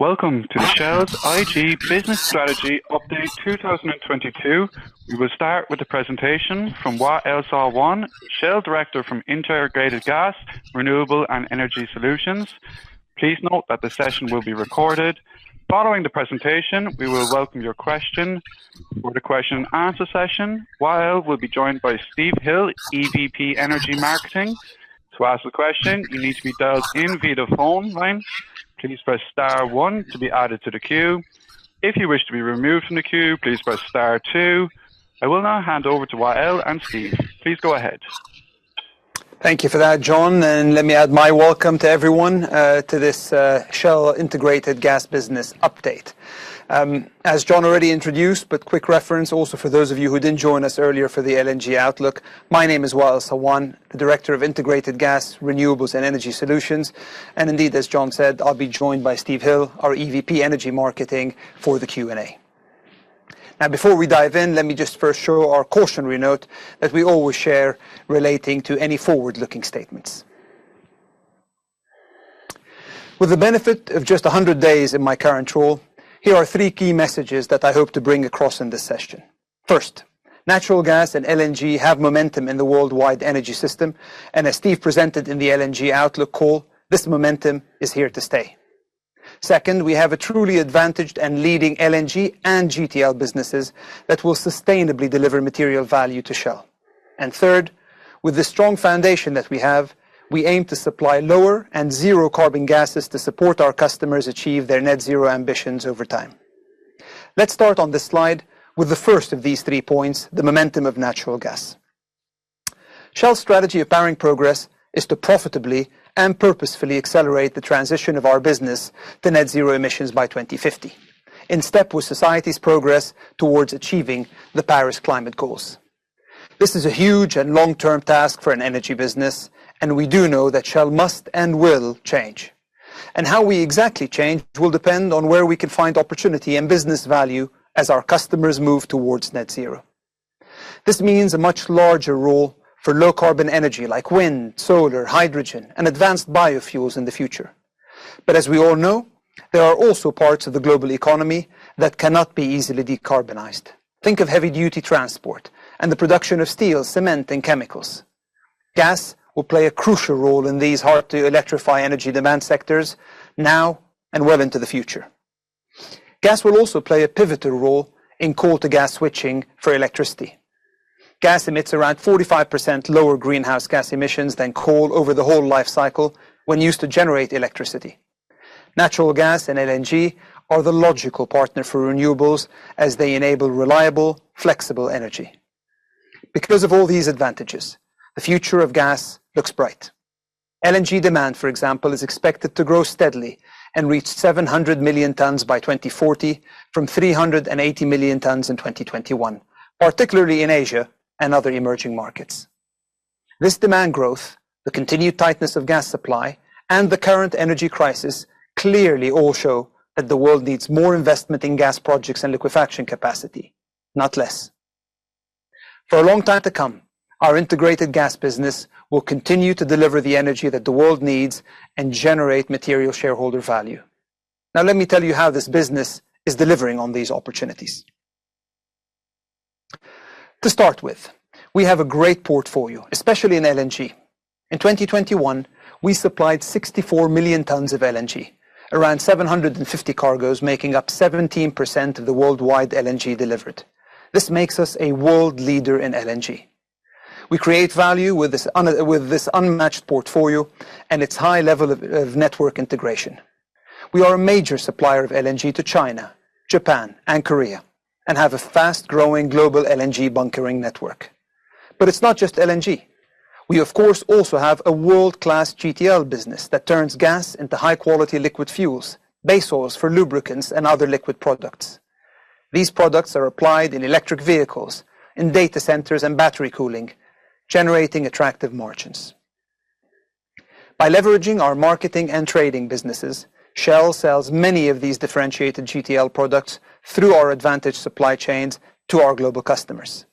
Welcome to Shell's IG Business Strategy Update 2022. We will start with the presentation from Wael Sawan, Shell Director of Integrated Gas, Renewables and Energy Solutions. Please note that the session will be recorded. Following the presentation, we will welcome your question for the question and answer session. Wael will be joined by Steve Hill, EVP, Energy Marketing. To ask a question you need to be dialed in via the phone line. Can you press star one to be added to the queue. If you wish to be removed from the queue, please press star two. I will now hand over to Wael and Steve. Please go ahead. Thank you for that, John, and let me add my welcome to everyone to this Shell Integrated Gas Business update. As John already introduced, but quick reference also for those of you who didn't join us earlier for the LNG outlook, my name is Wael Sawan, Director of Integrated Gas, Renewables and Energy Solutions. Indeed, as John said, I'll be joined by Steve Hill, our EVP, Energy Marketing for the Q&A. Now, before we dive in, let me just first show our cautionary note as we always share relating to any forward-looking statements. With the benefit of just 100 days in my current role, here are three key messages that I hope to bring across in this session. First, natural gas and LNG have momentum in the worldwide energy system. As Steve presented in the LNG outlook call, this momentum is here to stay. Second, we have a truly advantaged and leading LNG and GTL businesses that will sustainably deliver material value to Shell. Third, with the strong foundation that we have, we aim to supply lower and zero carbon gases to support our customers achieve their net zero ambitions over time. Let's start on this slide with the first of these three points, the momentum of natural gas. Shell's strategy of Powering Progress is to profitably and purposefully accelerate the transition of our business to net zero emissions by 2050, in step with society's progress towards achieving the Paris climate goals. This is a huge and long-term task for an energy business, and we do know that Shell must and will change. How we exactly change will depend on where we can find opportunity and business value as our customers move towards net zero. This means a much larger role for low carbon energy like wind, solar, hydrogen, and advanced biofuels in the future. As we all know, there are also parts of the global economy that cannot be easily decarbonized. Think of heavy duty transport and the production of steel, cement, and chemicals. Gas will play a crucial role in these hard to electrify energy demand sectors now and well into the future. Gas will also play a pivotal role in coal to gas switching for electricity. Gas emits around 45% lower greenhouse gas emissions than coal over the whole life cycle when used to generate electricity. Natural gas and LNG are the logical partner for renewables as they enable reliable, flexible energy. Because of all these advantages, the future of gas looks bright. LNG demand, for example, is expected to grow steadily and reach 700 million tons by 2040 from 380 million tons in 2021, particularly in Asia and other emerging markets. This demand growth, the continued tightness of gas supply and the current energy crisis clearly all show that the world needs more investment in gas projects and liquefaction capacity, not less. For a long time to come, our integrated gas business will continue to deliver the energy that the world needs and generate material shareholder value. Now, let me tell you how this business is delivering on these opportunities. To start with, we have a great portfolio, especially in LNG. In 2021, we supplied 64 million tons of LNG, around 750 cargos, making up 17% of the worldwide LNG delivered. This makes us a world leader in LNG. We create value with this unmatched portfolio and its high level of network integration. We are a major supplier of LNG to China, Japan, and Korea, and have a fast growing global LNG bunkering network. But it's not just LNG. We, of course, also have a world-class GTL business that turns gas into high quality liquid fuels, base oils for lubricants and other liquid products. These products are applied in electric vehicles, in data centers and battery cooling, generating attractive margins. By leveraging our marketing and trading businesses, Shell sells many of these differentiated GTL products through our advantage supply chains to our global customers.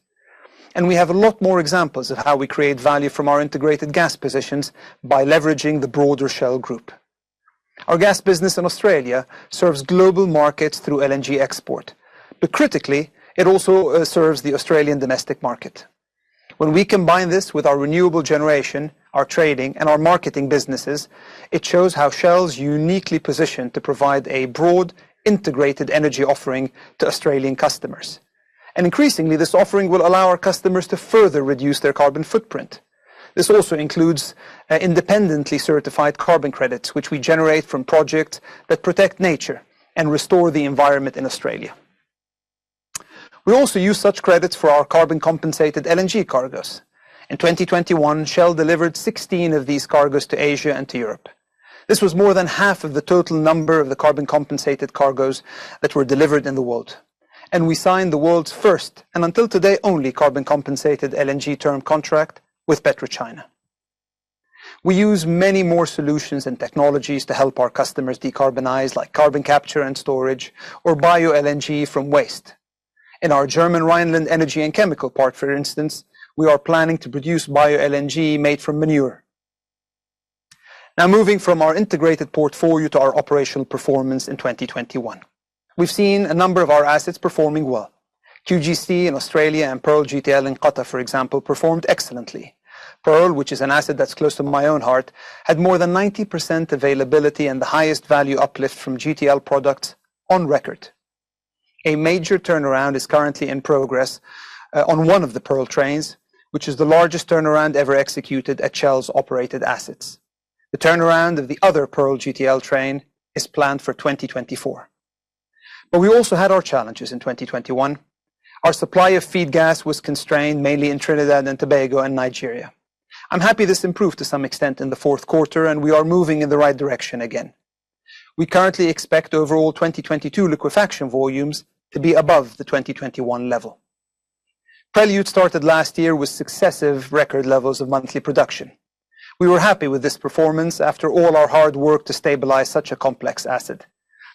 We have a lot more examples of how we create value from our integrated gas positions by leveraging the broader Shell group. Our gas business in Australia serves global markets through LNG export, but critically, it also serves the Australian domestic market. When we combine this with our renewable generation, our trading, and our marketing businesses, it shows how Shell's uniquely positioned to provide a broad integrated energy offering to Australian customers. Increasingly, this offering will allow our customers to further reduce their carbon footprint. This also includes independently certified carbon credits, which we generate from projects that protect nature and restore the environment in Australia. We also use such credits for our carbon compensated LNG cargos. In 2021, Shell delivered 16 of these cargos to Asia and to Europe. This was more than half of the total number of the carbon compensated cargos that were delivered in the world. We signed the world's first, and until today, only carbon compensated LNG term contract with PetroChina. We use many more solutions and technologies to help our customers decarbonize, like carbon capture and storage or bioLNG from waste. In our German Rheinland energy and chemical park, for instance, we are planning to produce bioLNG made from manure. Now moving from our integrated portfolio to our operational performance in 2021. We've seen a number of our assets performing well. QGC in Australia and Pearl GTL in Qatar, for example, performed excellently. Pearl, which is an asset that's close to my own heart, had more than 90% availability and the highest value uplift from GTL product on record. A major turnaround is currently in progress on one of the Pearl trains, which is the largest turnaround ever executed at Shell's operated assets. The turnaround of the other Pearl GTL train is planned for 2024. We also had our challenges in 2021. Our supply of feed gas was constrained mainly in Trinidad and Tobago and Nigeria. I'm happy this improved to some extent in the fourth quarter, and we are moving in the right direction again. We currently expect overall 2022 liquefaction volumes to be above the 2021 level. Prelude started last year with successive record levels of monthly production. We were happy with this performance after all our hard work to stabilize such a complex asset.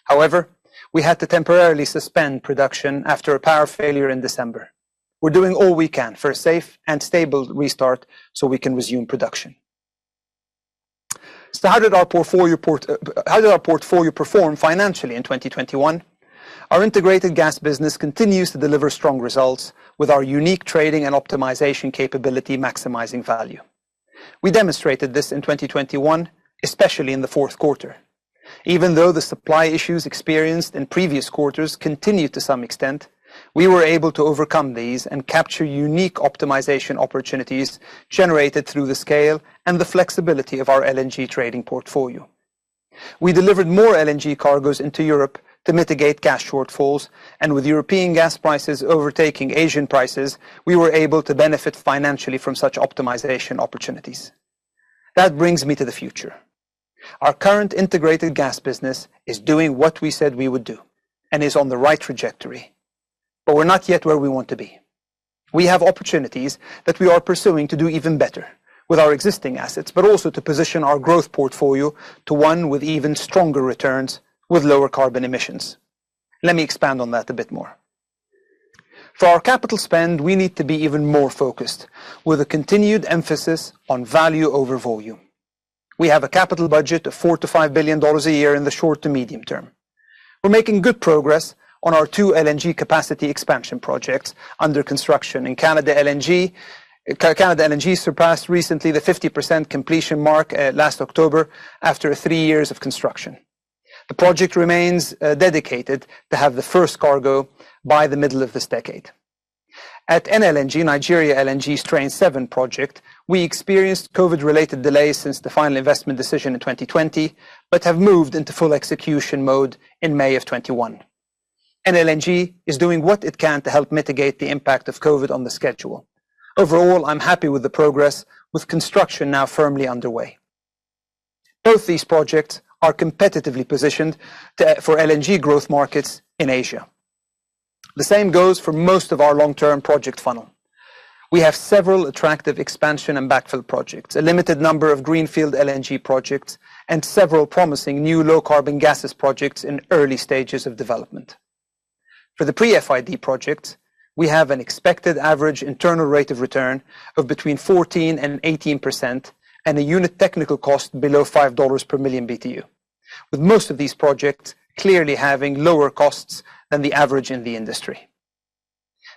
However, we had to temporarily suspend production after a power failure in December. We're doing all we can for a safe and stable restart so we can resume production. How did our portfolio perform financially in 2021? Our integrated gas business continues to deliver strong results with our unique Trading & Optimisation capability maximizing value. We demonstrated this in 2021, especially in the fourth quarter. Even though the supply issues experienced in previous quarters continued to some extent, we were able to overcome these and capture unique optimization opportunities generated through the scale and the flexibility of our LNG trading portfolio. We delivered more LNG cargos into Europe to mitigate cash shortfalls, and with European gas prices overtaking Asian prices, we were able to benefit financially from such optimization opportunities. That brings me to the future. Our current integrated gas business is doing what we said we would do and is on the right trajectory, but we're not yet where we want to be. We have opportunities that we are pursuing to do even better with our existing assets, but also to position our growth portfolio to one with even stronger returns with lower carbon emissions. Let me expand on that a bit more. For our capital spend, we need to be even more focused with a continued emphasis on value over volume. We have a capital budget of $4 billion-$5 billion a year in the short to medium term. We're making good progress on our two LNG capacity expansion projects under construction. In LNG Canada, LNG Canada surpassed recently the 50% completion mark last October after three years of construction. The project remains dedicated to have the first cargo by the middle of this decade. At NLNG, Nigeria LNG's Train 7 project, we experienced COVID-related delays since the final investment decision in 2020, but have moved into full execution mode in May 2021. NLNG is doing what it can to help mitigate the impact of COVID on the schedule. Overall, I'm happy with the progress with construction now firmly underway. Both these projects are competitively positioned for LNG growth markets in Asia. The same goes for most of our long-term project funnel. We have several attractive expansion and backfill projects, a limited number of greenfield LNG projects, and several promising new low carbon gases projects in early stages of development. For the pre-FID projects, we have an expected average internal rate of return of between 14% and 18% and a unit technical cost below $5 per million BTU, with most of these projects clearly having lower costs than the average in the industry.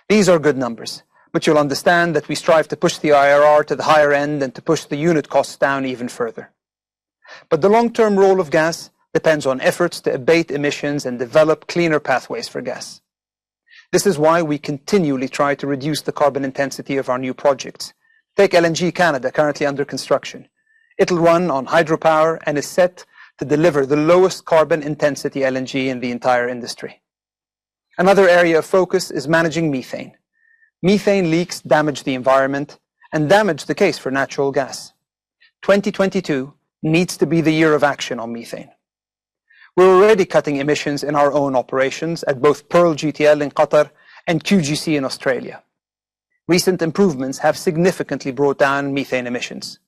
These are good numbers, but you'll understand that we strive to push the IRR to the higher end and to push the unit costs down even further. The long-term role of gas depends on efforts to abate emissions and develop cleaner pathways for gas. This is why we continually try to reduce the carbon intensity of our new projects. Take LNG Canada currently under construction. It'll run on hydropower and is set to deliver the lowest carbon intensity LNG in the entire industry. Another area of focus is managing methane. Methane leaks damage the environment and damage the case for natural gas. 2022 needs to be the year of action on methane. We're already cutting emissions in our own operations at both Pearl GTL in Qatar and QGC in Australia. Recent improvements have significantly brought down methane emissions.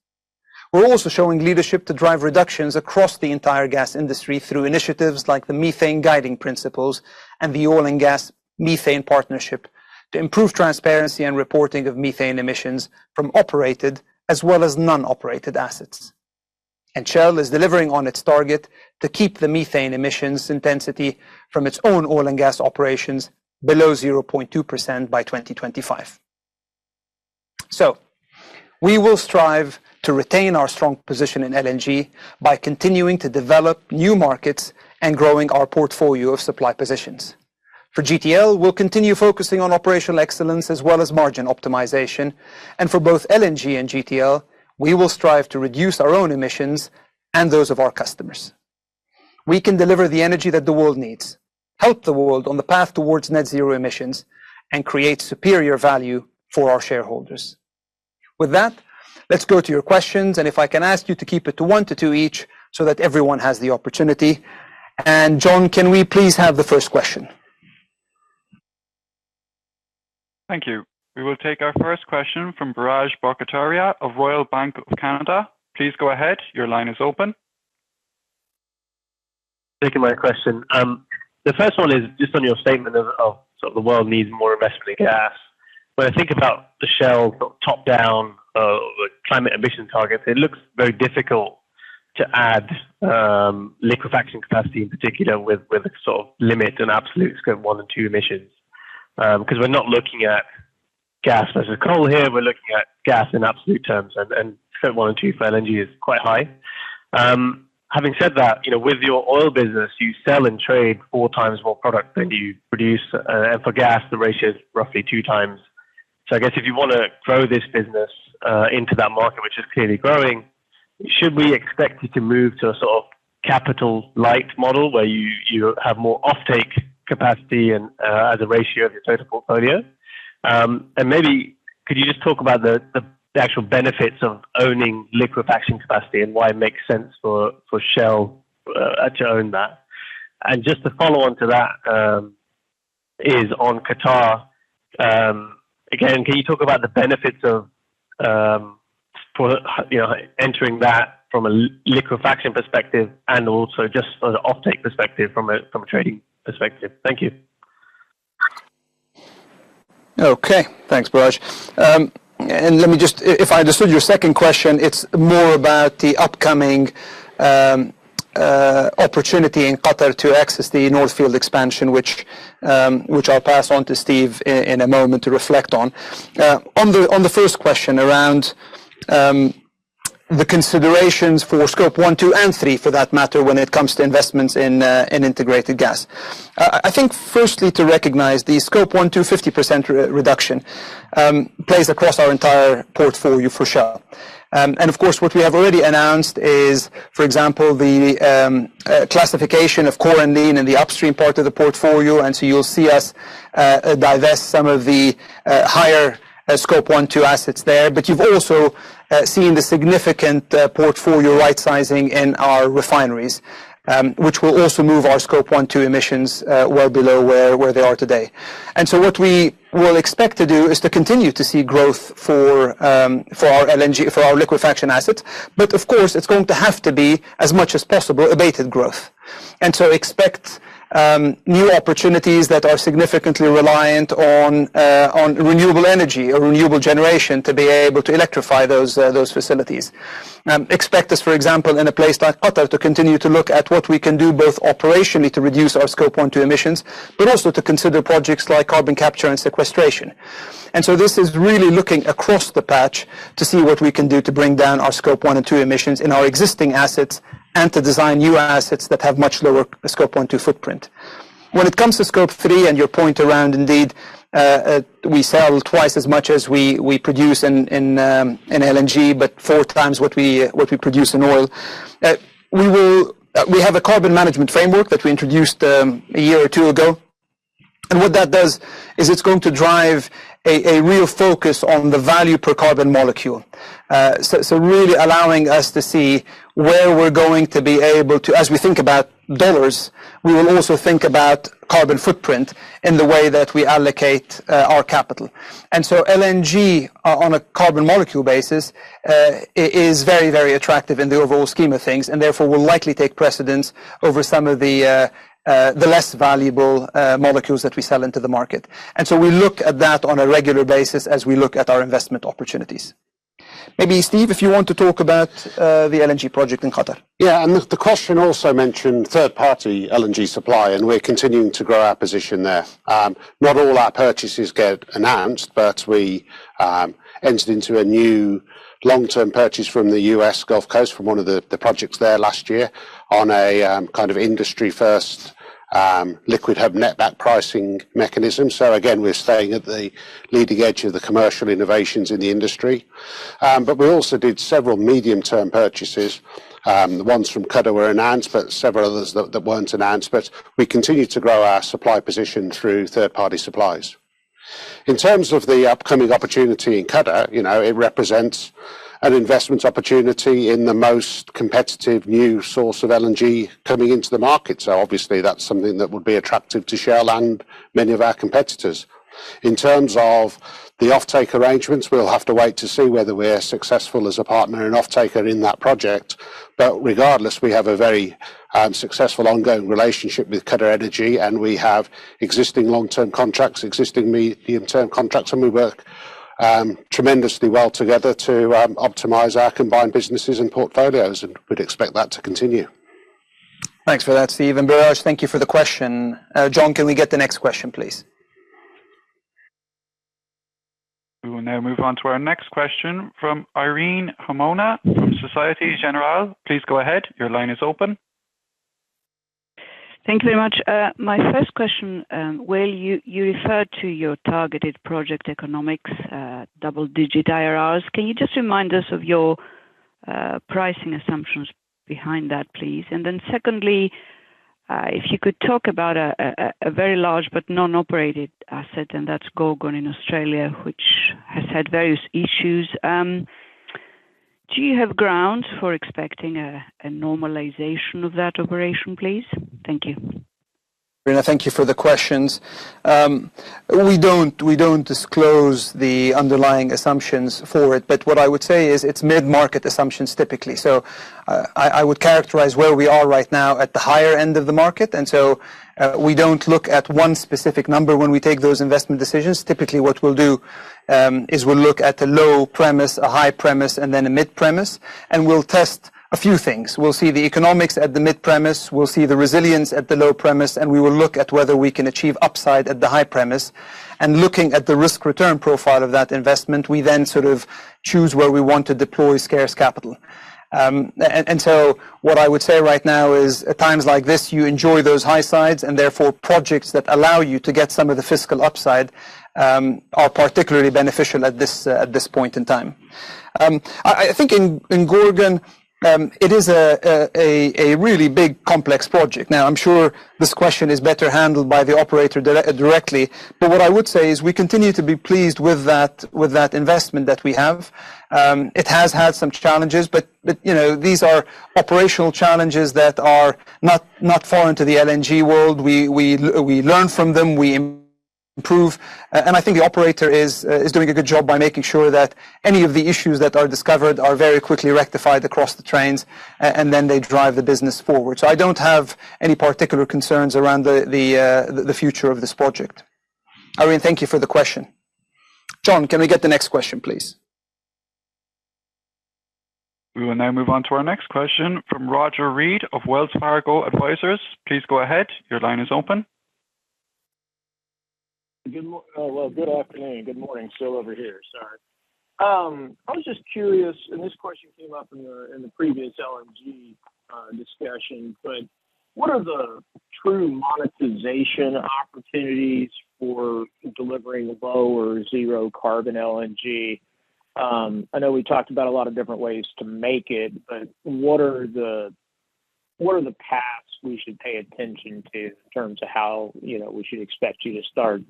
We're also showing leadership to drive reductions across the entire gas industry through initiatives like the Methane Guiding Principles and the Oil and Gas Methane Partnership to improve transparency and reporting of methane emissions from operated as well as non-operated assets. Shell is delivering on its target to keep the methane emissions intensity from its own oil and gas operations below 0.2% by 2025. We will strive to retain our strong position in LNG by continuing to develop new markets and growing our portfolio of supply positions. For GTL, we'll continue focusing on operational excellence as well as margin optimization, and for both LNG and GTL, we will strive to reduce our own emissions and those of our customers. We can deliver the energy that the world needs, help the world on the path towards net zero emissions, and create superior value for our shareholders. With that, let's go to your questions, and if I can ask you to keep it to one to two each so that everyone has the opportunity. John, can we please have the first question? Thank you. We will take our first question from Biraj Borkhataria of Royal Bank of Canada. Please go ahead. Your line is open. Thank you for my question. The first one is just on your statement of sort of the world needs more investment in gas. When I think about the Shell top-down climate emission targets, it looks very difficult to add liquefaction capacity, in particular with a sort of limit on absolute Scope 1 and 2 emissions. Because we're not looking at gas versus coal here. We're looking at gas in absolute terms, and Scope 1 and 2 for LNG is quite high. Having said that, you know, with your oil business, you sell and trade four times more product than you produce. And for gas, the ratio is roughly two times. I guess if you wanna grow this business into that market, which is clearly growing, should we expect it to move to a sort of capital light model where you have more offtake capacity and as a ratio of your total portfolio? Maybe could you just talk about the actual benefits of owning liquefaction capacity and why it makes sense for Shell to own that? Just to follow on to that, it's on Qatar, again, can you talk about the benefits of for you know entering that from a liquefaction perspective and also just from an offtake perspective, from a trading perspective? Thank you. Okay, thanks, Biraj. If I understood your second question, it's more about the upcoming opportunity in Qatar to access the North Field expansion, which I'll pass on to Steve in a moment to reflect on. On the first question around the considerations for Scope 1, 2, and 3, for that matter, when it comes to investments in Integrated Gas. I think firstly to recognize the Scope 1, 2, 50% reduction plays across our entire portfolio for Shell. Of course, what we have already announced is, for example, the classification of core and lean in the upstream part of the portfolio, and so you'll see us divest some of the higher Scope 1, 2 assets there. You've also seen the significant portfolio right-sizing in our refineries, which will also move our Scope 1, 2 emissions well below where they are today. What we will expect to do is to continue to see growth for our LNG, for our liquefaction assets. Of course, it's going to have to be, as much as possible, abated growth. Expect new opportunities that are significantly reliant on renewable energy or renewable generation to be able to electrify those facilities. Expect us, for example, in a place like Qatar, to continue to look at what we can do both operationally to reduce our Scope 1, 2 emissions, but also to consider projects like carbon capture and sequestration. This is really looking across the patch to see what we can do to bring down our Scope 1 and 2 emissions in our existing assets and to design new assets that have much lower Scope 1, 2 footprint. When it comes to Scope 3, and you point out, indeed, we sell twice as much as we produce in LNG, but four times what we produce in oil. We have a carbon management framework that we introduced a year or two ago. What that does is it's going to drive a real focus on the value per carbon molecule. Really allowing us to see where we're going to be able to... As we think about dollars, we will also think about carbon footprint in the way that we allocate our capital. LNG on a carbon molecule basis is very, very attractive in the overall scheme of things, and therefore will likely take precedence over some of the less valuable molecules that we sell into the market. We look at that on a regular basis as we look at our investment opportunities. Maybe Steve, if you want to talk about the LNG project in Qatar. Yeah. The question also mentioned third-party LNG supply, and we're continuing to grow our position there. Not all our purchases get announced, but we entered into a new long-term purchase from the U.S. Gulf Coast from one of the projects there last year on a kind of industry first liquid hub netback pricing mechanism. Again, we're staying at the leading edge of the commercial innovations in the industry. We also did several medium-term purchases. The ones from Qatar were announced, but several others that weren't announced, but we continue to grow our supply position through third-party supplies. In terms of the upcoming opportunity in Qatar, you know, it represents an investment opportunity in the most competitive new source of LNG coming into the market. Obviously that's something that would be attractive to Shell and many of our competitors. In terms of the offtake arrangements, we'll have to wait to see whether we're successful as a partner and offtaker in that project. Regardless, we have a very successful ongoing relationship with QatarEnergy, and we have existing long-term contracts, existing medium-term contracts, and we work tremendously well together to optimize our combined businesses and portfolios, and we'd expect that to continue. Thanks for that, Steve. Biraj, thank you for the question. John, can we get the next question, please? We will now move on to our next question from Irene Himona from Société Générale. Please go ahead. Your line is open. Thank you very much. My first question, where you referred to your targeted project economics, double-digit IRRs. Can you just remind us of your pricing assumptions behind that, please? Secondly, if you could talk about a very large but non-operated asset, and that's Gorgon in Australia, which has had various issues. Do you have grounds for expecting a normalization of that operation, please? Thank you. Irene, thank you for the questions. We don't disclose the underlying assumptions for it, but what I would say is it's mid-market assumptions typically. I would characterize where we are right now at the higher end of the market. We don't look at one specific number when we take those investment decisions. Typically, what we'll do is we'll look at the low premise, a high premise, and then a mid premise, and we'll test a few things. We'll see the economics at the mid premise, we'll see the resilience at the low premise, and we will look at whether we can achieve upside at the high premise. Looking at the risk-return profile of that investment, we then sort of choose where we want to deploy scarce capital. What I would say right now is at times like this, you enjoy those high prices and therefore projects that allow you to get some of the fiscal upside are particularly beneficial at this point in time. I think in Gorgon it is a really big complex project. Now, I'm sure this question is better handled by the operator directly, but what I would say is we continue to be pleased with that investment that we have. It has had some challenges, but you know, these are operational challenges that are not foreign to the LNG world. We learn from them, we improve. I think the operator is doing a good job by making sure that any of the issues that are discovered are very quickly rectified across the trains and then they drive the business forward. I don't have any particular concerns around the future of this project. Irene, thank you for the question. John, can we get the next question, please? We will now move on to our next question from Roger Read of Wells Fargo Securities. Please go ahead. Your line is open. Good afternoon. Good morning. Still over here. Sorry. I was just curious, and this question came up in the previous LNG discussion, but what are the true monetization opportunities for delivering low or zero carbon LNG? I know we talked about a lot of different ways to make it, but what are the paths we should pay attention to in terms of how, you know, we should expect you to start,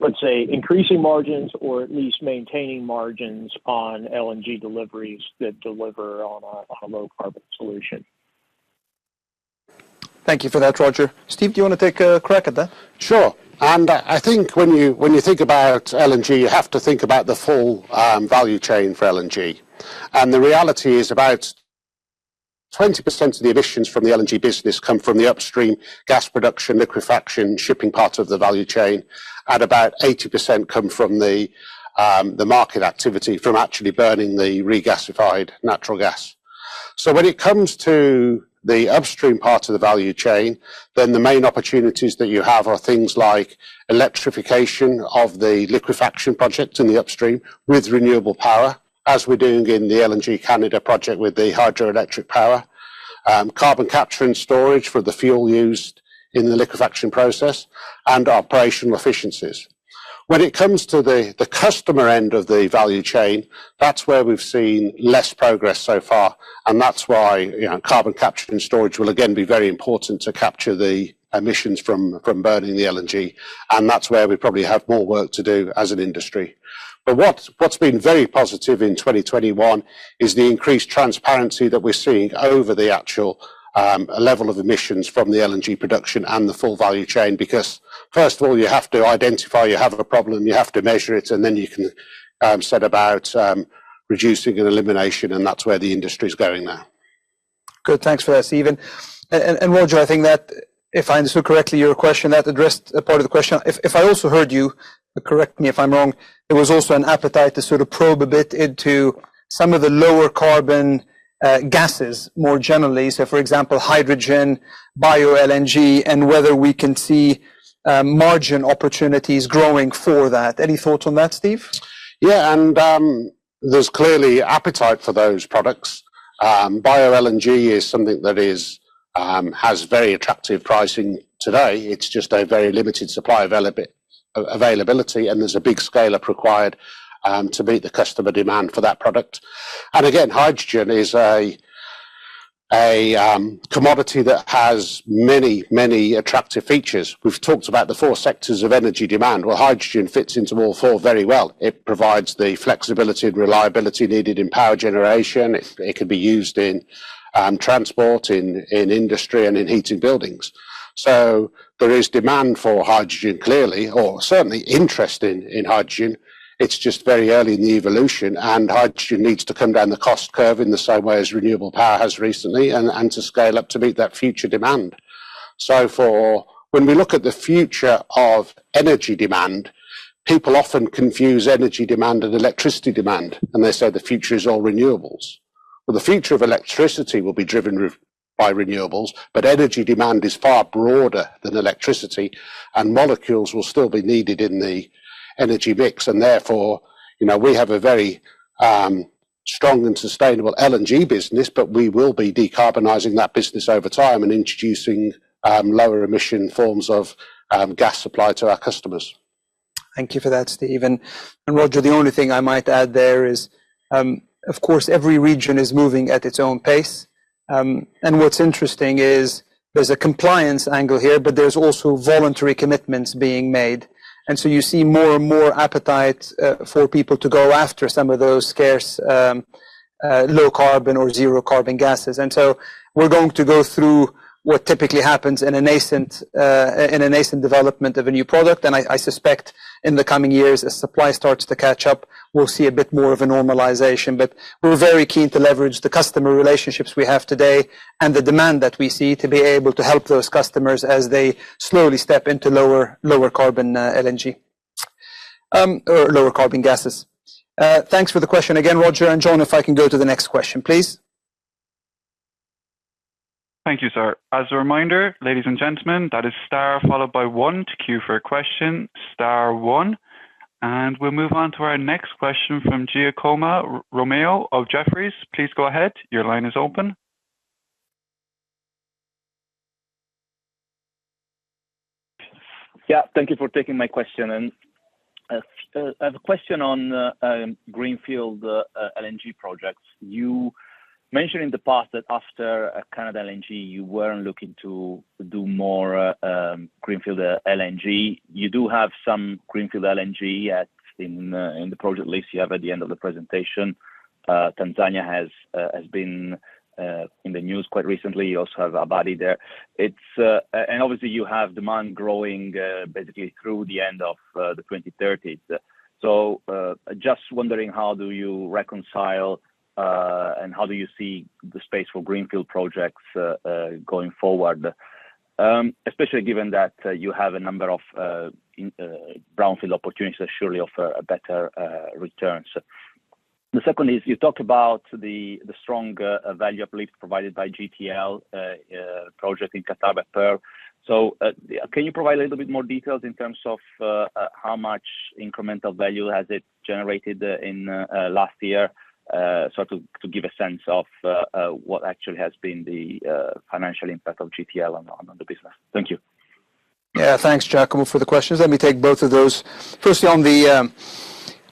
let's say, increasing margins or at least maintaining margins on LNG deliveries that deliver on a low carbon solution? Thank you for that, Roger. Steve, do you wanna take a crack at that? Sure. I think when you think about LNG, you have to think about the full value chain for LNG. The reality is about 20% of the emissions from the LNG business come from the upstream gas production, liquefaction, shipping part of the value chain, and about 80% come from the market activity from actually burning the regasified natural gas. When it comes to the upstream part of the value chain, the main opportunities that you have are things like electrification of the liquefaction project in the upstream with renewable power, as we're doing in the LNG Canada project with the hydroelectric power, carbon capture and storage for the fuel used in the liquefaction process, and operational efficiencies. When it comes to the customer end of the value chain, that's where we've seen less progress so far, and that's why, you know, carbon capture and storage will again be very important to capture the emissions from burning the LNG, and that's where we probably have more work to do as an industry. What's been very positive in 2021 is the increased transparency that we're seeing over the actual level of emissions from the LNG production and the full value chain. Because first of all, you have to identify you have a problem, you have to measure it, and then you can set about reducing and eliminating, and that's where the industry is going now. Good. Thanks for that, Steve. And Roger, I think that if I understood correctly your question, that addressed a part of the question. If I also heard you, correct me if I'm wrong, there was also an appetite to sort of probe a bit into some of the lower carbon gases more generally. For example, hydrogen, bioLNG, and whether we can see margin opportunities growing for that. Any thoughts on that, Steve? There's clearly appetite for those products. bioLNG is something that has very attractive pricing today. It's just a very limited supply availability, and there's a big scale-up required to meet the customer demand for that product. Hydrogen is a commodity that has many attractive features. We've talked about the four sectors of energy demand. Well, hydrogen fits into all four very well. It provides the flexibility and reliability needed in power generation. It could be used in transport, in industry and in heating buildings. There is demand for hydrogen, clearly, or certainly interest in hydrogen. It's just very early in the evolution. Hydrogen needs to come down the cost curve in the same way as renewable power has recently and to scale up to meet that future demand. When we look at the future of energy demand, people often confuse energy demand and electricity demand, and they say the future is all renewables. Well, the future of electricity will be driven by renewables, but energy demand is far broader than electricity, and molecules will still be needed in the energy mix. Therefore, you know, we have a very strong and sustainable LNG business, but we will be decarbonizing that business over time and introducing lower emission forms of gas supply to our customers. Thank you for that, Steve. Roger, the only thing I might add there is, of course, every region is moving at its own pace. What's interesting is there's a compliance angle here, but there's also voluntary commitments being made. You see more and more appetite for people to go after some of those scarce low carbon or zero carbon gases. We're going to go through what typically happens in a nascent development of a new product. I suspect in the coming years, as supply starts to catch up, we'll see a bit more of a normalization. We're very keen to leverage the customer relationships we have today and the demand that we see to be able to help those customers as they slowly step into lower carbon LNG, or lower carbon gases. Thanks for the question again, Roger. John, if I can go to the next question, please. Thank you, sir. As a reminder, ladies and gentlemen, that is star followed by one to queue for a question, star one. We'll move on to our next question from Giacomo Romeo of Jefferies. Please go ahead. Your line is open. Yeah. Thank you for taking my question. I have a question on greenfield LNG projects. You mentioned in the past that after LNG Canada, you weren't looking to do more greenfield LNG. You do have some greenfield LNG in the project list you have at the end of the presentation. Tanzania has been in the news quite recently. You also have Abadi there. It's obviously you have demand growing basically through the end of the 2030s. I just wonder how do you reconcile and how do you see the space for greenfield projects going forward, especially given that you have a number of brownfield opportunities that surely offer a better return. The second is you talked about the strong value uplift provided by GTL project in Pearl GTL. Can you provide a little bit more details in terms of how much incremental value has it generated in last year so to give a sense of what actually has been the financial impact of GTL on the business. Thank you. Yeah. Thanks, Giacomo, for the questions. Let me take both of those. Firstly,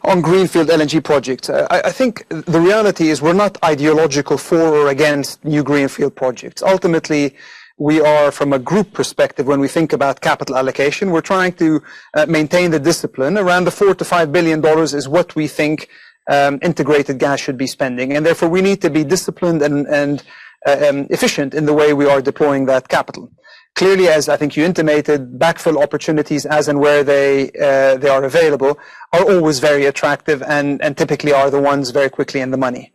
on greenfield LNG project, I think the reality is we're not ideological for or against new greenfield projects. Ultimately, we are from a group perspective, when we think about capital allocation, we're trying to maintain the discipline. Around the $4 billion-$5 billion is what we think Integrated Gas should be spending, and therefore we need to be disciplined and efficient in the way we are deploying that capital. Clearly, as I think you intimated, backfill opportunities as and where they are available, are always very attractive and typically are the ones very quickly in the money.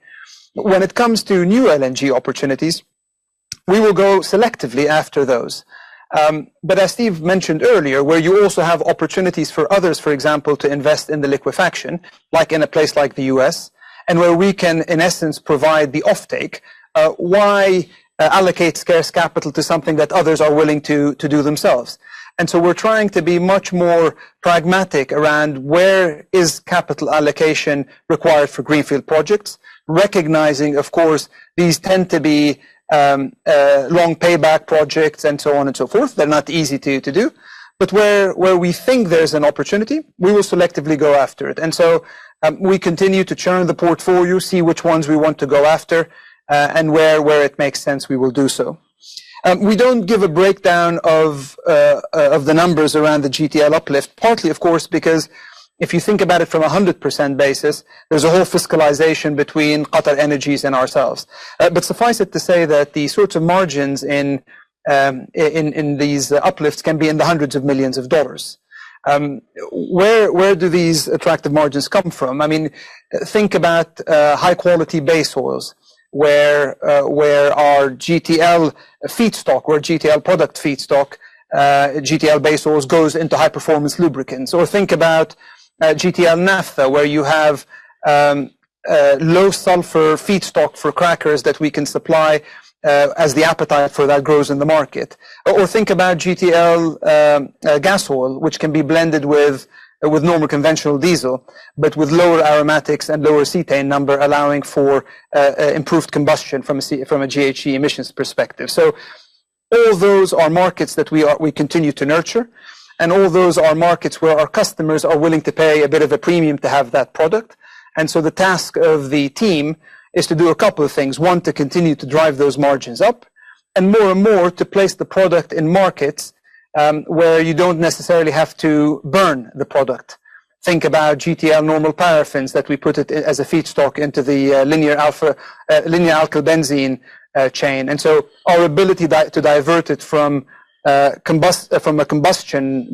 When it comes to new LNG opportunities, we will go selectively after those. As Steve mentioned earlier, where you also have opportunities for others, for example, to invest in the liquefaction, like in a place like the U.S., and where we can, in essence, provide the offtake, why allocate scarce capital to something that others are willing to do themselves? We're trying to be much more pragmatic around where capital allocation is required for greenfield projects, recognizing, of course, these tend to be long payback projects and so on and so forth. They're not easy to do. Where we think there's an opportunity, we will selectively go after it. We continue to churn the portfolio, see which ones we want to go after, and where it makes sense, we will do so. We don't give a breakdown of the numbers around the GTL uplift, partly, of course, because if you think about it from a 100% basis, there's a whole fiscalization between QatarEnergy and ourselves. Suffice it to say that the sorts of margins in these uplifts can be in the hundreds of millions of dollars. Where do these attractive margins come from? I mean, think about high-quality base oils, where our GTL feedstock or GTL product feedstock GTL base oils goes into high-performance lubricants. Think about GTL naphtha, where you have low-sulfur feedstock for crackers that we can supply as the appetite for that grows in the market. Think about GTL gas oil, which can be blended with normal conventional diesel, but with lower aromatics and lower cetane number, allowing for improved combustion from a GHG emissions perspective. All those are markets that we continue to nurture, and all those are markets where our customers are willing to pay a bit of a premium to have that product. The task of the team is to do a couple of things. One, to continue to drive those margins up, and more and more to place the product in markets where you don't necessarily have to burn the product. Think about GTL normal paraffins that we put it as a feedstock into the linear alkylbenzene chain. Our ability to divert it from a combustion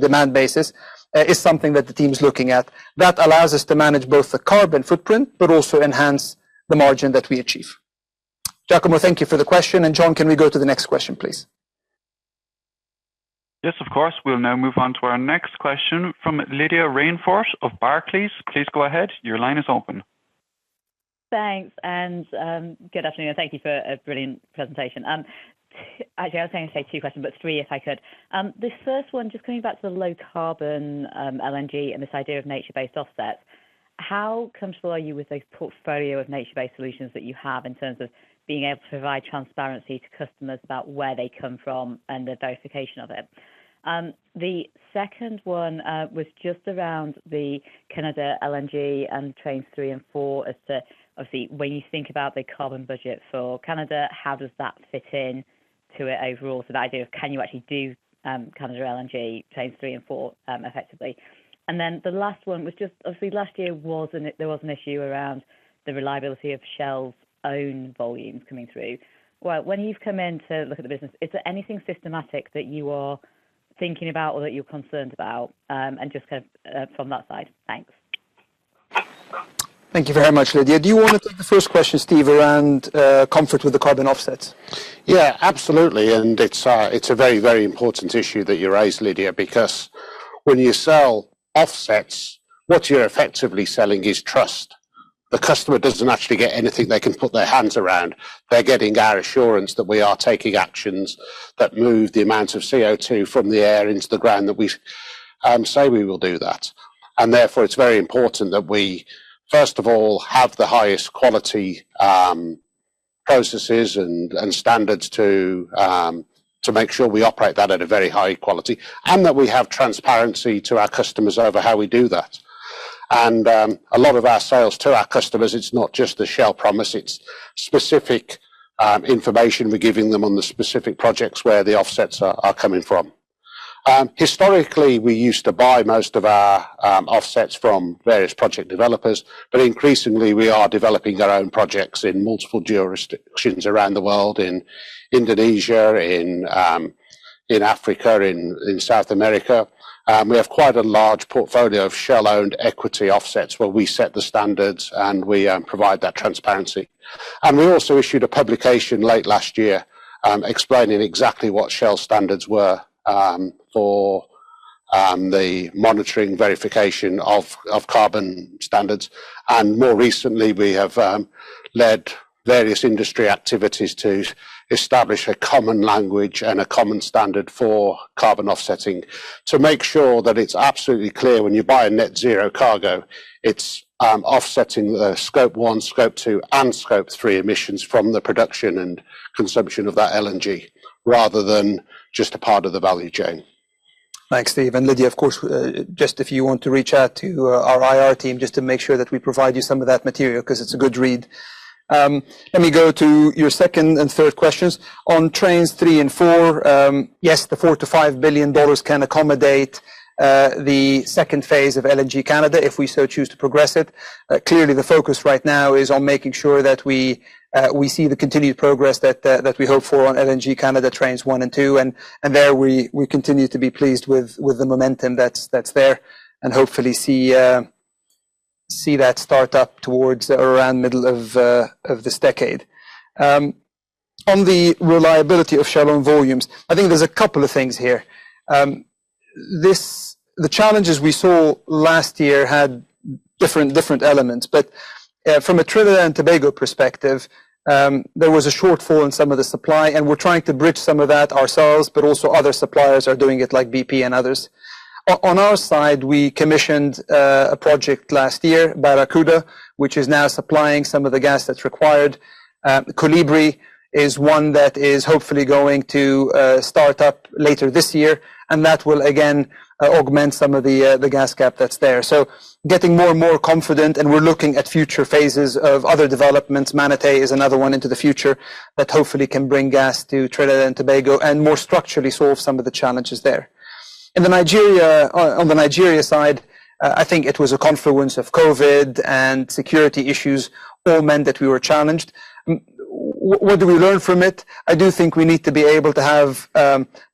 demand basis is something that the team's looking at. That allows us to manage both the carbon footprint but also enhance the margin that we achieve. Giacomo, thank you for the question. John, can we go to the next question, please? Yes, of course. We'll now move on to our next question from Lydia Rainforth of Barclays. Please go ahead. Your line is open. Thanks, good afternoon. Thank you for a brilliant presentation. Actually, I was gonna say two questions, but three, if I could. The first one, just coming back to the low carbon LNG and this idea of nature-based offsets, how comfortable are you with those portfolio of nature-based solutions that you have in terms of being able to provide transparency to customers about where they come from and the verification of it? The second one was just around the LNG Canada and Trains three and four as to obviously when you think about the carbon budget for Canada, how does that fit in to it overall. The idea of can you actually do LNG Canada Trains three and four effectively. The last one was just obviously last year there was an issue around the reliability of Shell's own volumes coming through. Well, when you've come in to look at the business, is there anything systematic that you are thinking about or that you're concerned about? Just kind of from that side. Thanks. Thank you very much, Lydia. Do you wanna take the first question, Steve, around comfort with the carbon offsets? Yeah, absolutely. It's a very, very important issue that you raised, Lydia, because when you sell offsets, what you're effectively selling is trust. The customer doesn't actually get anything they can put their hands around. They're getting our assurance that we are taking actions that move the amount of CO2 from the air into the ground, that we say we will do that. Therefore, it's very important that we first of all have the highest quality processes and standards to make sure we operate that at a very high quality and that we have transparency to our customers over how we do that. A lot of our sales to our customers, it's not just the Shell promise, it's specific information we're giving them on the specific projects where the offsets are coming from. Historically, we used to buy most of our offsets from various project developers, but increasingly we are developing our own projects in multiple jurisdictions around the world, in Indonesia, in Africa, in South America. We have quite a large portfolio of Shell-owned equity offsets where we set the standards and we provide that transparency. We also issued a publication late last year explaining exactly what Shell's standards were for the monitoring verification of carbon standards. More recently, we have led various industry activities to establish a common language and a common standard for carbon offsetting to make sure that it's absolutely clear when you buy a net zero cargo, it's offsetting the Scope 1, Scope 2, and Scope 3 emissions from the production and consumption of that LNG rather than just a part of the value chain. Thanks, Steve. Lydia, of course, just if you want to reach out to our IR team just to make sure that we provide you some of that material 'cause it's a good read. Let me go to your second and third questions. On Trains 3 and 4, yes, the $4 billion-$5 billion can accommodate the second phase of LNG Canada, if we so choose to progress it. Clearly the focus right now is on making sure that we see the continued progress that we hope for on LNG Canada Trains 1 and 2. There we continue to be pleased with the momentum that's there and hopefully see that start up towards around middle of this decade. On the reliability of Shell-owned volumes, I think there's a couple of things here. The challenges we saw last year had different elements. From a Trinidad and Tobago perspective, there was a shortfall in some of the supply, and we're trying to bridge some of that ourselves, but also other suppliers are doing it like BP and others. On our side, we commissioned a project last year, Barracuda, which is now supplying some of the gas that's required. Colibri is one that is hopefully going to start up later this year, and that will again augment some of the gas gap that's there. Getting more and more confident, and we're looking at future phases of other developments. Manatee is another one into the future that hopefully can bring gas to Trinidad and Tobago and more structurally solve some of the challenges there. On the Nigeria side, I think it was a confluence of COVID and security issues all meant that we were challenged. What do we learn from it? I do think we need to be able to have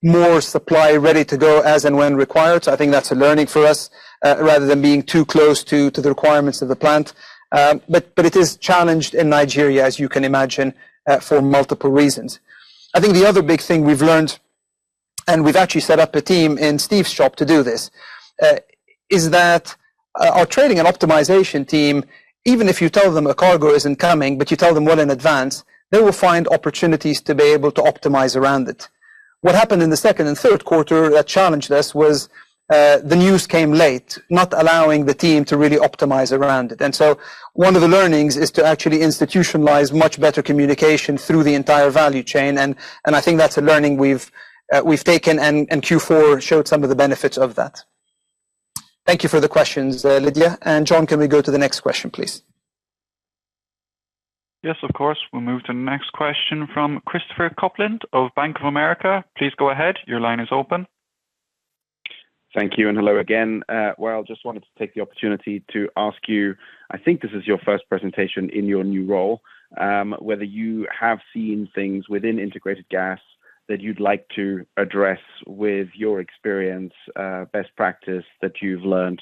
more supply ready to go as and when required. I think that's a learning for us, rather than being too close to the requirements of the plant. It is challenged in Nigeria, as you can imagine, for multiple reasons. I think the other big thing we've learned, and we've actually set up a team in Steve's shop to do this, is that our Trading and Optimization team, even if you tell them a cargo isn't coming, but you tell them well in advance, they will find opportunities to be able to optimize around it. What happened in the second and third quarter that challenged us was the news came late, not allowing the team to really optimize around it. I think that's a learning we've taken, and Q4 showed some of the benefits of that. Thank you for the questions, Lydia. John, can we go to the next question, please? Yes, of course. We'll move to the next question from Christopher Kuplent of Bank of America. Please go ahead. Your line is open. Thank you, and hello again. Wael, just wanted to take the opportunity to ask you, I think this is your first presentation in your new role, whether you have seen things within Integrated Gas that you'd like to address with your experience, best practice that you've learned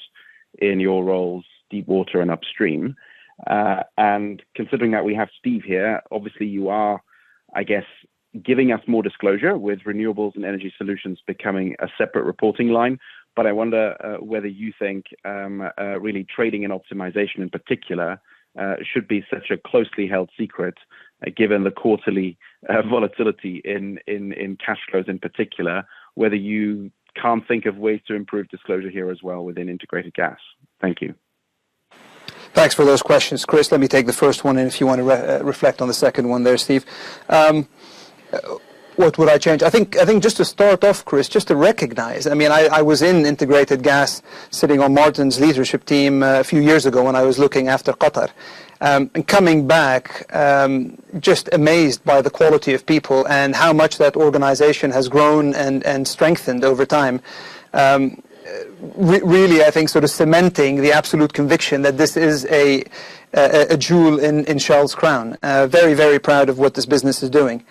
in your roles, deep water, and upstream. Considering that we have Steve here, obviously you are, I guess, giving us more disclosure with Renewables and Energy Solutions becoming a separate reporting line. I wonder whether you think really Trading and Optimization in particular should be such a closely held secret, given the quarterly volatility in cash flows in particular, whether you can't think of ways to improve disclosure here as well within Integrated Gas. Thank you. Thanks for those questions, Chris. Let me take the first one, and if you want to reflect on the second one there, Steve. What would I change? I think just to start off, Chris, just to recognize I was in Integrated Gas sitting on Martin's leadership team a few years ago when I was looking after Qatar. Coming back, just amazed by the quality of people and how much that organization has grown and strengthened over time. Really, I think sort of cementing the absolute conviction that this is a jewel in Shell's crown. Very, very proud of what this business is doing.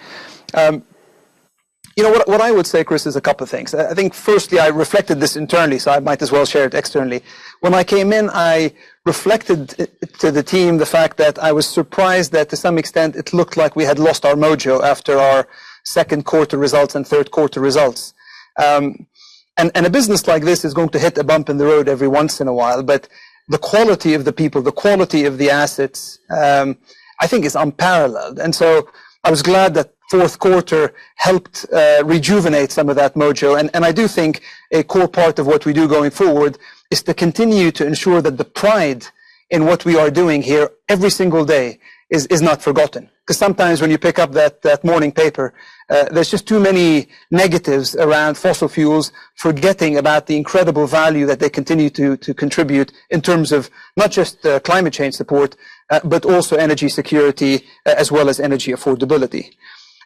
You know, what I would say, Chris, is a couple of things. I think firstly, I reflected this internally, so I might as well share it externally. When I came in, I reflected to the team the fact that I was surprised that to some extent it looked like we had lost our mojo after our second quarter results and third quarter results. A business like this is going to hit a bump in the road every once in a while, but the quality of the people, the quality of the assets, I think is unparalleled. I was glad that fourth quarter helped rejuvenate some of that mojo. I do think a core part of what we do going forward is to continue to ensure that the pride in what we are doing here every single day is not forgotten. Because sometimes when you pick up that morning paper, there's just too many negatives around fossil fuels, forgetting about the incredible value that they continue to contribute in terms of not just climate change support, but also energy security as well as energy affordability.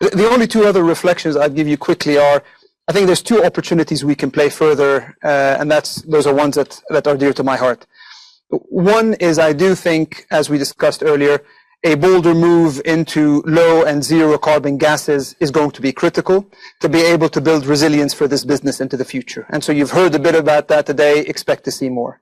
The only two other reflections I'd give you quickly are, I think there's two opportunities we can play further, and those are ones that are dear to my heart. One is, I do think, as we discussed earlier, a bolder move into low and zero carbon gases is going to be critical to be able to build resilience for this business into the future. You've heard a bit about that today. Expect to see more.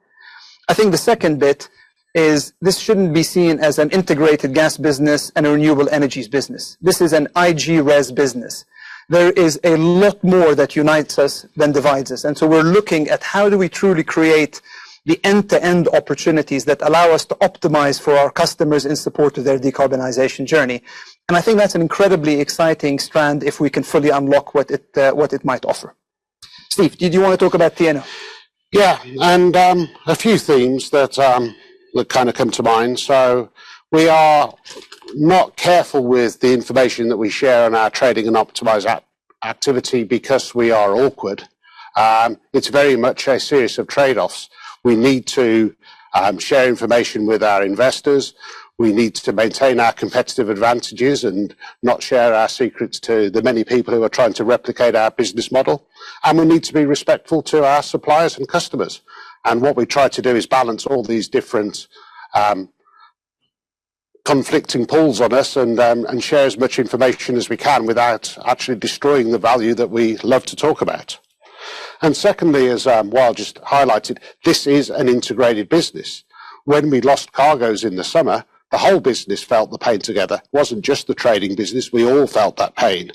I think the second bit is this shouldn't be seen as an Integrated Gas business and a renewable energies business. This is an IG res business. There is a lot more that unites us than divides us. We're looking at how do we truly create the end-to-end opportunities that allow us to optimize for our customers in support of their decarbonization journey. I think that's an incredibly exciting strand if we can fully unlock what it might offer. Steve, did you wanna talk about T&O? Yeah. A few themes that kinda come to mind. We have to be careful with the information that we share in our Trading & Optimisation activity because we are awkward. It's very much a series of trade-offs. We need to share information with our investors. We need to maintain our competitive advantages and not share our secrets to the many people who are trying to replicate our business model. We need to be respectful to our suppliers and customers. What we try to do is balance all these different conflicting pulls on us and share as much information as we can without actually destroying the value that we love to talk about. Secondly, as Wael just highlighted, this is an integrated business. When we lost cargoes in the summer, the whole business felt the pain together. It wasn't just the trading business, we all felt that pain.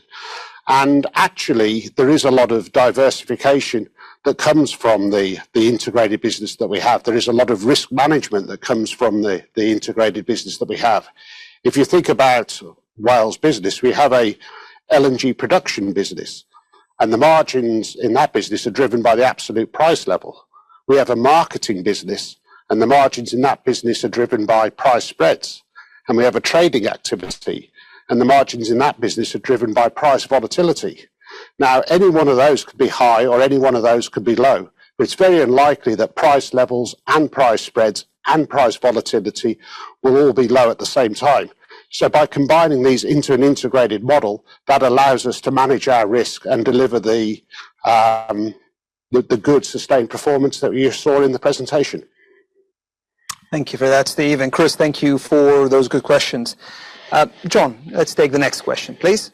Actually, there is a lot of diversification that comes from the integrated business that we have. There is a lot of risk management that comes from the integrated business that we have. If you think about Wael's business, we have a LNG production business, and the margins in that business are driven by the absolute price level. We have a marketing business, and the margins in that business are driven by price spreads. We have a trading activity, and the margins in that business are driven by price volatility. Now, any one of those could be high or any one of those could be low. It's very unlikely that price levels and price spreads and price volatility will all be low at the same time. By combining these into an integrated model, that allows us to manage our risk and deliver the good sustained performance that you saw in the presentation. Thank you for that, Steve. Chris, thank you for those good questions. John, let's take the next question, please.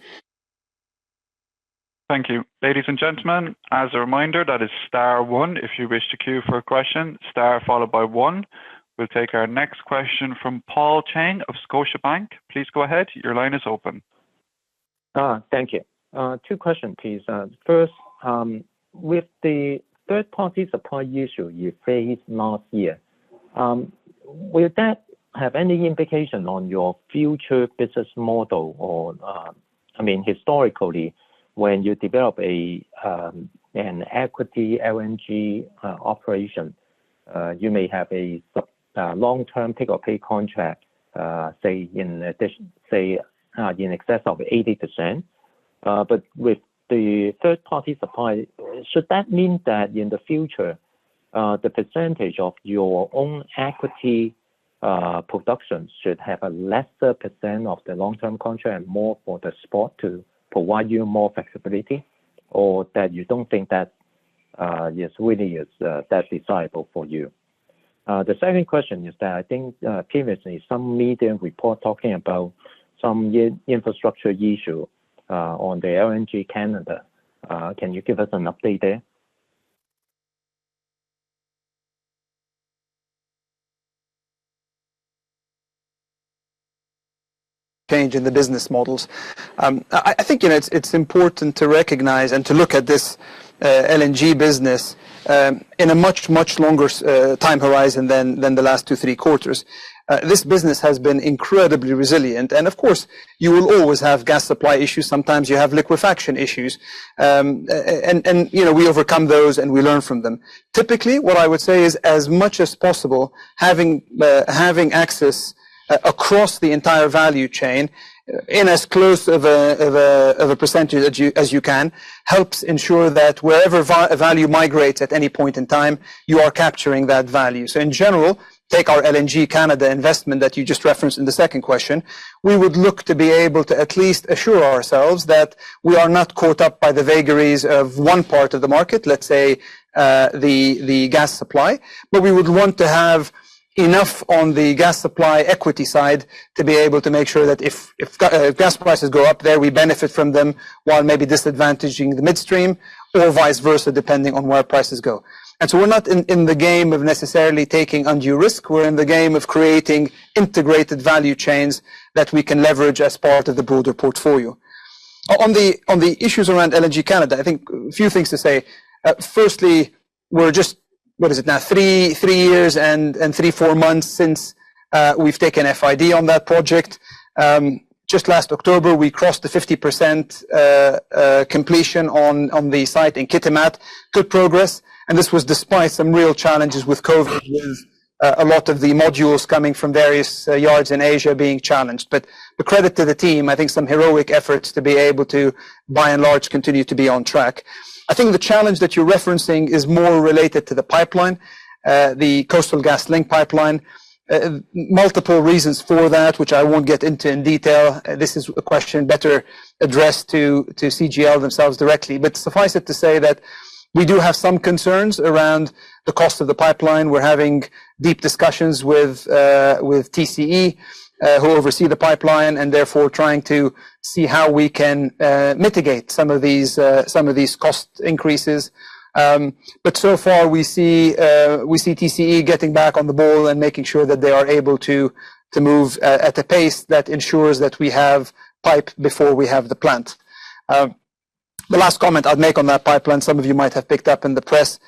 Thank you. Ladies and gentlemen, as a reminder, that is star one. If you wish to queue for a question, star followed by one. We'll take our next question from Paul Cheng of Scotiabank. Please go ahead. Your line is open. Thank you. Two questions, please. First, with the third-party supply issue you faced last year, will that have any implication on your future business model or, I mean, historically, when you develop an equity LNG operation, you may have a long-term take or pay contract, say in addition, say, in excess of 80%. But with the third-party supply, should that mean that in the future, the percentage of your own equity production should have a lesser percent of the long-term contract and more for the spot to provide you more flexibility? Or that you don't think that yes, really is that desirable for you? The second question is that I think, previously some media report talking about some infrastructure issue on the LNG Canada. Can you give us an update there? Change in the business models. I think, you know, it's important to recognize and to look at this LNG business in a much longer time horizon than the last two, three quarters. This business has been incredibly resilient. Of course, you will always have gas supply issues. Sometimes you have liquefaction issues. You know, we overcome those, and we learn from them. Typically, what I would say is as much as possible, having access across the entire value chain in as close of a percentage as you can, helps ensure that wherever value migrates at any point in time, you are capturing that value. In general, take our LNG Canada investment that you just referenced in the second question, we would look to be able to at least assure ourselves that we are not caught up by the vagaries of one part of the market, let's say, the gas supply. We would want to have enough on the gas supply equity side to be able to make sure that if gas prices go up there, we benefit from them while maybe disadvantaging the midstream or vice versa, depending on where prices go. We're not in the game of necessarily taking undue risk. We're in the game of creating integrated value chains that we can leverage as part of the broader portfolio. On the issues around LNG Canada, I think a few things to say. Firstly, we're just what is it now? Three 3 years and three and four months since we've taken FID on that project. Just last October, we crossed the 50% completion on the site in Kitimat. Good progress, and this was despite some real challenges with COVID with a lot of the modules coming from various yards in Asia being challenged. A credit to the team, I think some heroic efforts to be able to, by and large, continue to be on track. I think the challenge that you're referencing is more related to the pipeline, the Coastal GasLink pipeline. Multiple reasons for that, which I won't get into in detail. This is a question better addressed to CGL themselves directly. Suffice it to say that we do have some concerns around the cost of the pipeline. We're having deep discussions with TC Energy, who oversee the pipeline and therefore trying to see how we can mitigate some of these cost increases. So far we see TC Energy getting back on the ball and making sure that they are able to move at a pace that ensures that we have pipe before we have the plant. The last comment I'd make on that pipeline, some of you might have picked up in the press,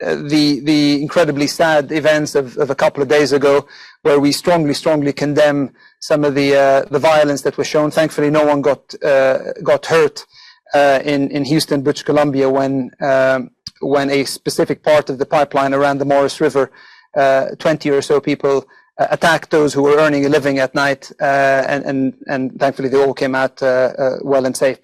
the incredibly sad events of a couple of days ago where we strongly condemn some of the violence that was shown. Thankfully, no one got hurt in Houston, British Columbia, when a specific part of the pipeline around the Morice River, 20 or so people attacked those who were earning a living at night. Thankfully they all came out well and safe.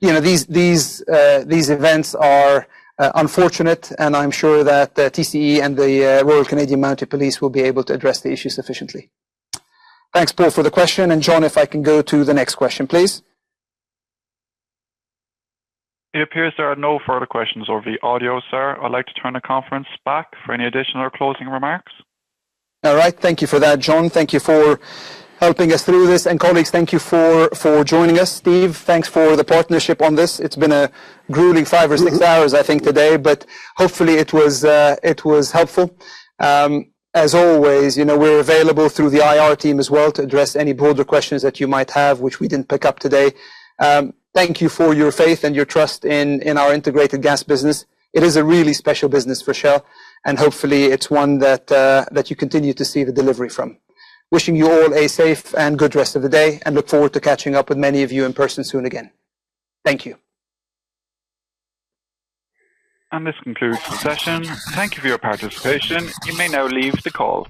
You know, these events are unfortunate, and I'm sure that the TC Energy and the Royal Canadian Mounted Police will be able to address the issues sufficiently. Thanks, Paul, for the question. John, if I can go to the next question, please. It appears there are no further questions over the audio, sir. I'd like to turn the conference back for any additional closing remarks. All right. Thank you for that, John. Thank you for helping us through this. Colleagues, thank you for joining us. Steve, thanks for the partnership on this. It's been a grueling five or six hours, I think, today, but hopefully it was helpful. As always, you know, we're available through the IR team as well to address any broader questions that you might have, which we didn't pick up today. Thank you for your faith and your trust in our Integrated Gas business. It is a really special business for Shell, and hopefully, it's one that you continue to see the delivery from. Wishing you all a safe and good rest of the day, and look forward to catching up with many of you in person soon again. Thank you. This concludes the session. Thank you for your participation. You may now leave the call.